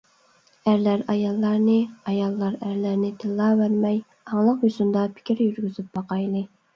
ئەرلەر ئاياللارنى، ئاياللار ئەرلەرنى تىللاۋەرمەي، ئاڭلىق يوسۇندا پىكىر يۈرگۈزۈپ باقايلى.